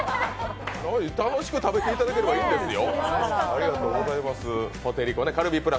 楽しく食べてもらえればいいんですよ。